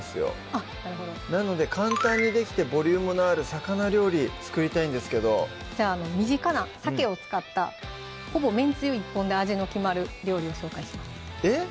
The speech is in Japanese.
あっなるほどなので簡単にできてボリュームのある魚料理作りたいんですけどじゃあ身近な鮭を使ったほぼめんつゆ１本で味の決まる料理を紹介しますえっ？